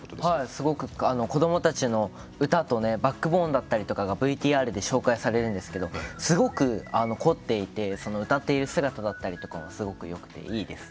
すごく子どもたちの歌とバックボーンだったりとかがＶＴＲで紹介されるんですけどすごく凝っていて歌っている姿だったりとかがすごくよくて、いいです。